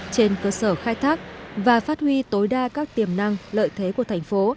trên cơ sở khai thác và phát huy tối đa các tiềm năng lợi thế của thành phố